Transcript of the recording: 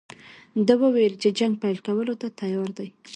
ده وویل چې جنګ پیل کولو ته تیار دی.